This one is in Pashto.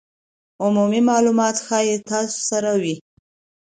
عمومي مالومات ښایي تاسو سره وي